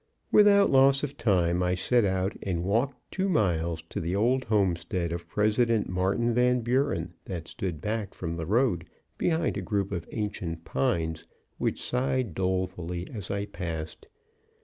Without loss of time, I set out and walked two miles to the old homestead of President Martin Van Buren, that stood back from the road behind a group of ancient pines which sighed dolefully as I passed.